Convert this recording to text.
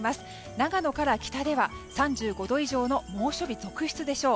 長野から北では３５度以上の猛暑日続出でしょう。